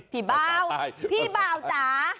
พี่เบ้าพี่เบ้าจ๋า